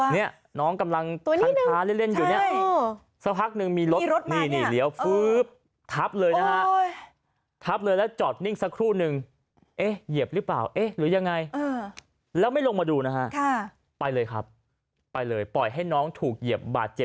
น่ากลัวว่ะตัวนี้หนึ่งใช่นี่น้องกำลังคันค้าเล่นอยู่เนี่ย